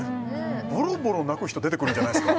ぼろぼろ泣く人出てくるんじゃないですか？